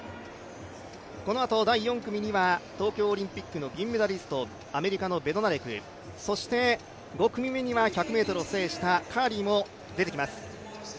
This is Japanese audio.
このあと第４組には東京オリンピックの銀メダリスト、アメリカのベドナレク、そして５組目には１００ｍを制したカーリーも出てきます。